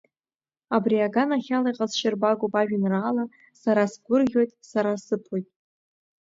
Абри аганахь ала иҟазшьарбагоуп ажәеинраала Сара сгәырӷьоит, сара сыԥоит…